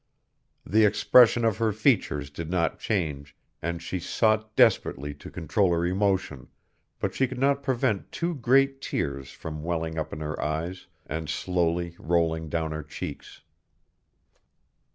The expression of her features did not change, and she sought desperately to control her emotion, but she could not prevent two great tears from welling up in her eyes and slowly rolling down her cheeks.